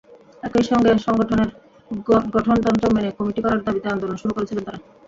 একই সঙ্গে সংগঠনের গঠনতন্ত্র মেনে কমিটি করার দাবিতে আন্দোলন শুরু করেছেন তাঁরা।